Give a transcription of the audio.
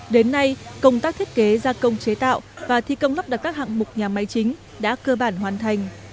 đến nay công tác thiết kế gia công chế tạo và thi công lắp đặt các hạng mục nhà máy chính đã cơ bản hoàn thành